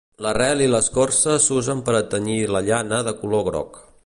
L'arrel i l'escorça s'usen per a tenyir la llana de color groc.